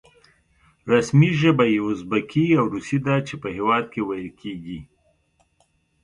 رسمي ژبه یې ازبکي او روسي ده چې په هېواد کې ویل کېږي.